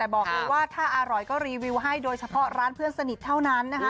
บอกเลยว่าถ้าอร่อยก็รีวิวให้โดยเฉพาะร้านเพื่อนสนิทเท่านั้นนะคะ